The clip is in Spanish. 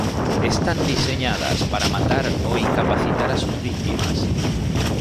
Están diseñadas para matar o incapacitar a sus víctimas.